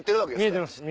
見えてます